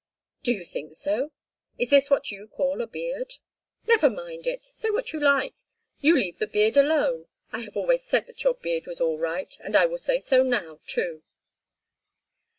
"Do you think so? Is this what you call a beard?" "Never mind it. Say what you like, you leave the beard alone. I have always said that your beard was all right, and I will say so now, too."